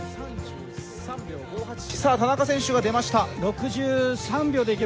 さあ、田中選手が出ました。